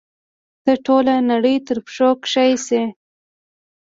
ته ټوله نړۍ تر پښو کښی شي